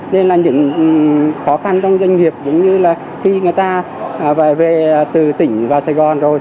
nên là những khó khăn trong doanh nghiệp giống như là khi người ta về từ tỉnh vào sài gòn rồi